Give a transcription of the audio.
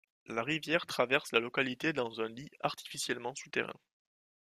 La rivière traverse la localité dans un lit artificiellement souterrain.